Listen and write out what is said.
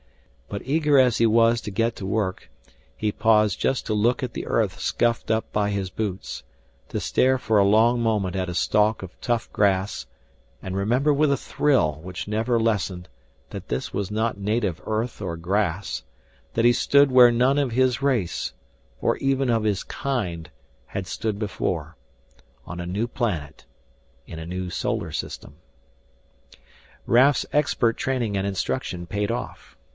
But eager as he was to get to work, he paused just to look at the earth scuffed up by his boots, to stare for a long moment at a stalk of tough grass and remember with a thrill which never lessened that this was not native earth or grass, that he stood where none of his race, or even of his kind, had stood before on a new planet in a new solar system. Raf's expert training and instruction paid off.